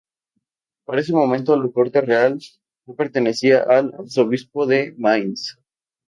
Para este momento, la corte real ya pertenecía al arzobispado de Mainz.